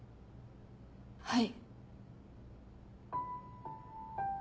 はい。